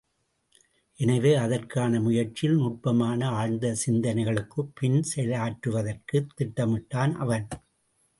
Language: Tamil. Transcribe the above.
எனவே அதற்கான முயற்சியில் நுட்பமான ஆழ்ந்த சிந்தனைகளுக்குப் பின் செயலாற்றுவதற்குத் திட்டமிட்டான் அவன்.